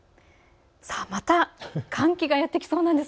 また、寒気がやって来そうです。